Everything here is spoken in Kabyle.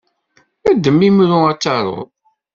Ddem imru ad taruḍ!